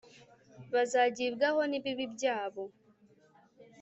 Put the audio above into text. bazagibwaho n ibibi byabo